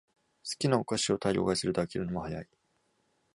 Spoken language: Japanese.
好きなお菓子を大量買いすると飽きるのも早い